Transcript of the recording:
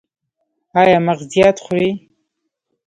ایا مغزيات خورئ؟